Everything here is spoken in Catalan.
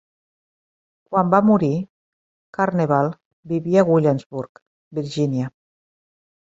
Quan va morir, Carnevale vivia a Williamsburg, Virginia.